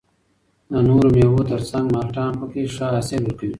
د نورو مېوو تر څنګ مالټه هم پکې ښه حاصلات ورکوي